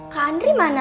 kak andri mana